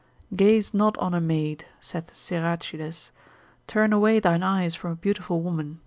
Gaze not on a maid, saith Siracides, turn away thine eyes from a beautiful woman, c.